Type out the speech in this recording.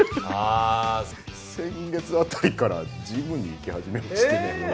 先月あたりからジムに行き始めまして。